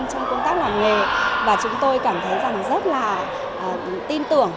trong công tác làm nghề và chúng tôi cảm thấy rằng rất là tin tưởng